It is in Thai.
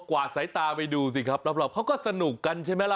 วาดสายตาไปดูสิครับรอบเขาก็สนุกกันใช่ไหมล่ะ